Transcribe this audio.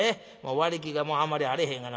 割り木がもうあんまりあれへんがな。